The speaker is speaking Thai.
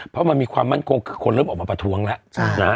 เพราะมันมีความมั่นคงคือคนเริ่มออกมาประท้วงแล้ว